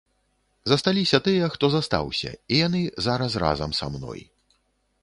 Засталіся тыя, хто застаўся, і яны зараз разам са мной.